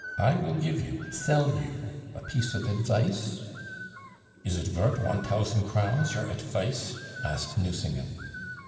I will give you sell you a piece of advice?" "Is it vort one tousand crowns your atvice?" asked Nucingen.